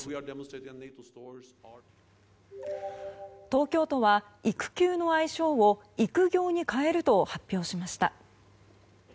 東京都は育休の愛称を育業に変えると発表しました。